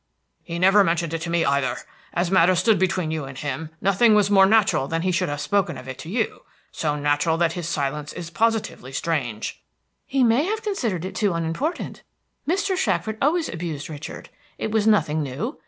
"He never mentioned it to me either. As matters stood between you and him, nothing was more natural than that he should have spoken of it to you, so natural that his silence is positively strange." "He may have considered it too unimportant. Mr. Shackford always abused Richard; it was nothing new.